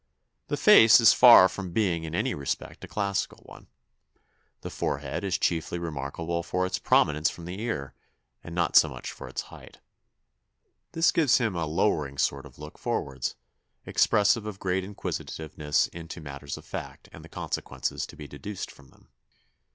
The face is far from being in any respect a classical one. The forehead is chiefly remarkable for its prominence from the ear, and not so much for its height. This gives him a lowering sort of look forwards, expressive of great inquisitiveness into matters of fact and the consequences to be deduced from them.